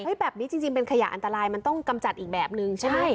แบบนี้จริงเป็นขยะอันตรายมันต้องกำจัดอีกแบบนึงใช่ไหม